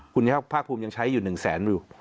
คุณภาคภูมิยังใช้อยู่๑แสนอยู่